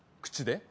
口で？